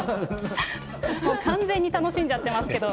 完全に楽しんじゃってますけど。